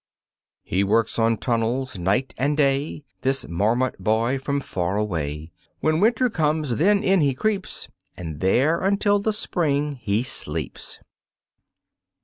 He works on tunnels night and day, This Marmot boy from far away. When winter comes then in he creeps, And there until the spring he sleeps.